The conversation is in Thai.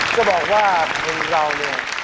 จะบอกว่าคนเราเนี่ย